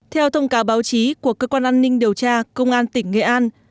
theo thông cáo báo chí của cơ quan an ninh điều tra công an tỉnh nghệ an